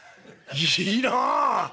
いいなあ。